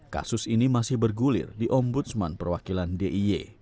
kasus ini masih bergulir di ombudsman perwakilan d i e